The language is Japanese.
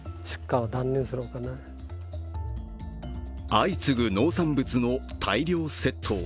相次ぐ農産物の大量窃盗。